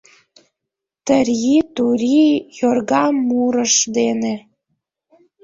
Тьыри-тюри йорга мурыж дене